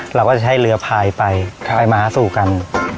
เราก็จะใช้เรือพายไปไปมาหาสู่กัน